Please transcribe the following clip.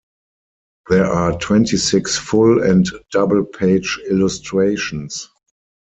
There are twenty-six full and double page illustrations.